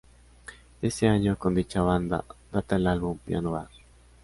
De ese año, con dicha banda, data el álbum "Piano Bar".